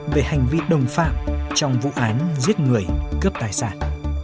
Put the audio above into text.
về hành vi đồng phạm trong vụ án giết người cướp tài sản